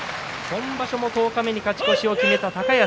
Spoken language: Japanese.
今場所も十日目に勝ち越しを決めた高安。